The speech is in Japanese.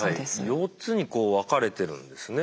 ４つにこう分かれてるんですね。